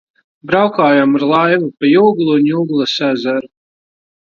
Braukājām ar laivu pa Juglu un Juglas ezeru.